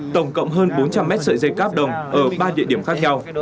tổng cộng hơn bốn trăm linh mét sợi dây cáp đồng ở ba địa điểm khác nhau